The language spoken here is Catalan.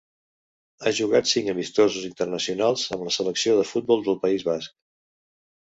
Ha jugat cinc amistosos internacionals amb la selecció de futbol del País Basc.